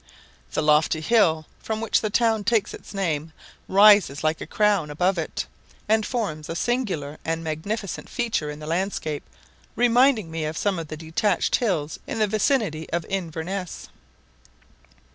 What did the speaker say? The lofty hill from which the town takes its name rises like a crown above it, and forms a singular and magnificent feature in the landscape, reminding me of some of the detached hills in the vicinity of Inverness.